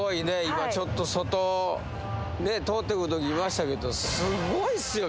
今ちょっと外通ってくるとき見ましたけどすごいっすよ